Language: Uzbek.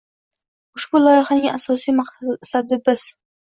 Ushbu loyihaning asosiy maqsadi - biz